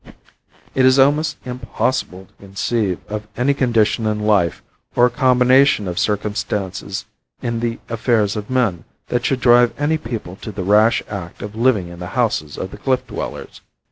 It is almost impossible to conceive of any condition in life, or combination of circumstances in the affairs of men, that should drive any people to the rash act of living in the houses of the cliff dwellers.